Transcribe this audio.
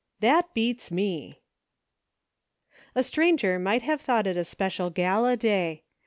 THAT BEATS ME ! A STRANGER might have thought it a spe cial gala day.